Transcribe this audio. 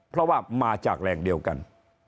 เพราะว่ามาจากแหล่งเดียวกัน